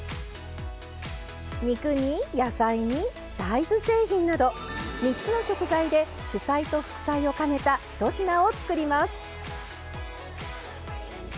肉に野菜に大豆製品など３つの食材で主菜と副菜を兼ねた１品を作ります。